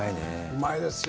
うまいですよ。